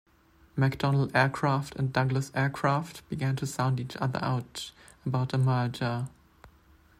McDonnell Aircraft and Douglas Aircraft began to sound each other out about a merger.